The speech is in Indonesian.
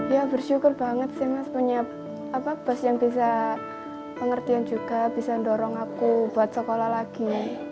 ya bersyukur banget sih mas punya bos yang bisa pengertian juga bisa mendorong aku buat sekolah lagi